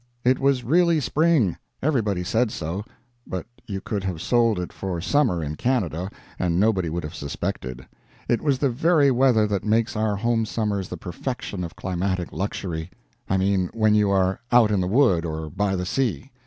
It was really spring everybody said so; but you could have sold it for summer in Canada, and nobody would have suspected. It was the very weather that makes our home summers the perfection of climatic luxury; I mean, when you are out in the wood or by the sea.